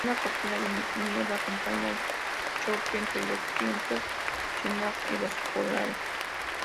Una cortina de niebla acompaña el choque entre los vientos chinook y los polares.